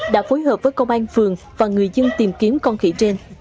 đã phối hợp với công an phường và người dân tìm kiếm con khỉ trên